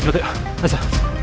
pelan pelan ya sa